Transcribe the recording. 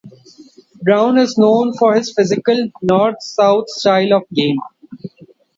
Brown is known for his physical, north-south style of game.